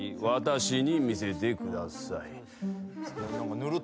私に見せてください。